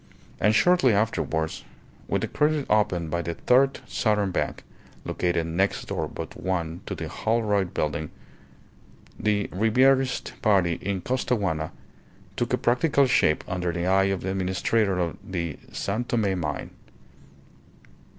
And shortly afterwards, with a credit opened by the Third Southern Bank (located next door but one to the Holroyd Building), the Ribierist party in Costaguana took a practical shape under the eye of the administrator of the San Tome mine.